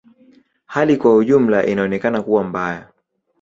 Hali kwa ujumla inaonekana kuwa mbaya.